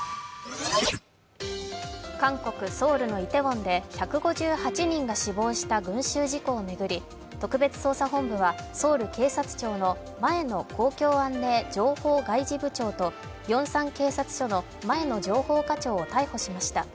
韓国ソウルのイテウォンで１５８人が死亡した群集事故を巡り特別捜査本部はソウル警察庁の前の公共安寧情報外事部長とヨンサン警察署の前の情報課長を逮捕しました。